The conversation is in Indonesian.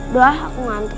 bah aku ngantuk